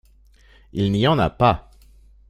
Il n’y en a pas !…